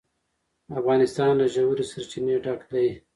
افغانستان له ژورې سرچینې ډک دی.